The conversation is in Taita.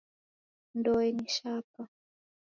Ndoe ni shapa.